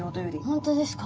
本当ですか？